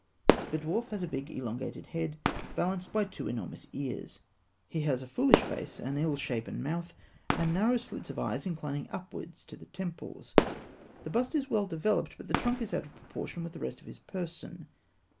The dwarf has a big, elongated head, balanced by two enormous ears (fig. 195). He has a foolish face, an ill shapen mouth, and narrow slits of eyes, inclining upwards to the temples. The bust is well developed, but the trunk is out of proportion with the rest of his person.